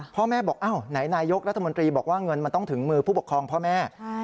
พ่อแม่บอกอ้าวไหนนายกรัฐมนตรีบอกว่าเงินมันต้องถึงมือผู้ปกครองพ่อแม่